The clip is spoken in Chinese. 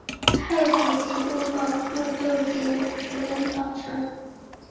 骸骨及部分墓构件由族人保存。